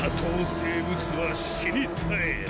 生物は死に絶える。